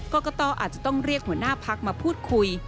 กรกตอาจจะต้องเรียกหัวหน้าพักมาพูดคุย